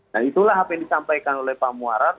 nah itulah apa yang disampaikan oleh pak muarad